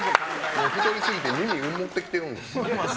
太りすぎて耳埋もれてきてるんですよ。